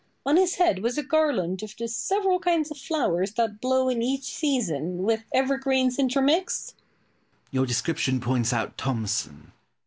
On his head was a garland of the several kinds of flowers that blow in each season, with evergreens intermixed. Pope. Your description points out Thomson.